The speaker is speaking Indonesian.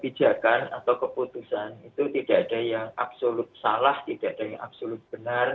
kebijakan atau keputusan itu tidak ada yang absolut salah tidak ada yang absolut benar